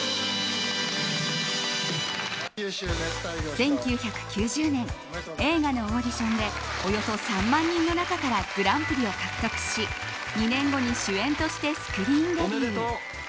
１９９０年映画のオーディションでおよそ３万人の中からグランプリを獲得し２年後に主演としてスクリーンデビュー。